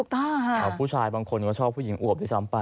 แต่ผู้ชายบางคนก็ชอบผู้หญิงอวบด้วยซ้ำไป